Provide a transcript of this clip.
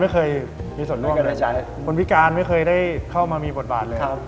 คนพิการไม่เคยได้เข้ามามีบทบาทเลย